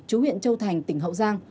chú huyện châu thành tỉnh hậu giang